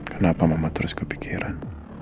kenapa mama terus kepikiran